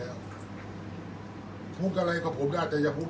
อันไหนที่มันไม่จริงแล้วอาจารย์อยากพูด